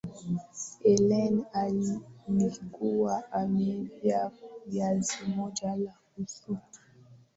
helen alikuwa amevaa vazi moja la usiku